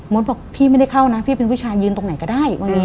บอกพี่ไม่ได้เข้านะพี่เป็นผู้ชายยืนตรงไหนก็ได้วันนี้